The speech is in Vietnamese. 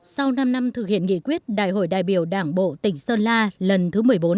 sau năm năm thực hiện nghị quyết đại hội đại biểu đảng bộ tỉnh sơn la lần thứ một mươi bốn